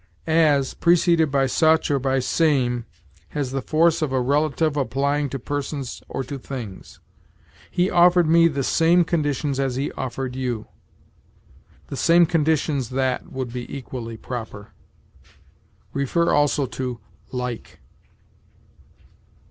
As, preceded by such or by same, has the force of a relative applying to persons or to things. "He offered me the same conditions as he offered you." "The same conditions that" would be equally proper. See, also, LIKE.